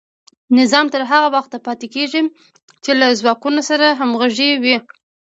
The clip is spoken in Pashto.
نظام تر هغه وخته پاتې کیږي چې له ځواکونو سره همغږی وي.